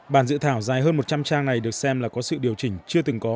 bản dự thảo dài hơn một trăm linh trang này được xem là có sự điều chỉnh chưa từng có